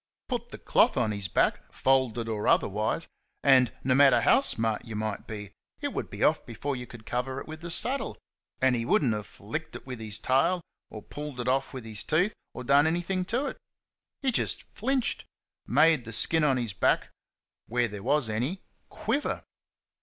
Put the cloth on his back folded or otherwise and, no matter how smart you might be, it would be off before you could cover it with the saddle, and he would n't have flicked it with his tail, or pulled it off with his teeth, or done anything to it. He just flinched made the skin on his back where there was any QUIVER.